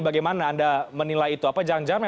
bagaimana anda menilai itu apa jangan jangan